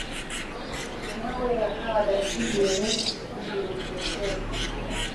mambo yakawa dhahiri Nyerere alikuwa amewatangazia vita